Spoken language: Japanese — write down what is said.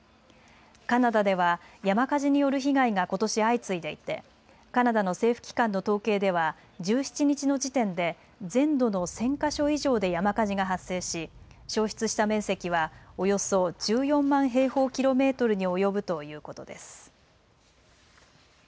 カナダでは山火事による被害がことし相次いでいてカナダの政府機関の統計では１７日の時点で全土の１０００か所以上で山火事が発生し、焼失した面積はおよそ１４万平方キロメートルに及ぶということです。